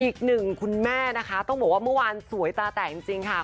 อีกหนึ่งคุณแม่นะคะต้องบอกว่าเมื่อวานสวยตาแตกจริงค่ะ